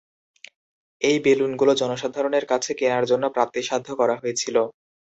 এই বেলুনগুলো জনসাধারণের কাছে কেনার জন্য প্রাপ্তিসাধ্য করা হয়েছিল।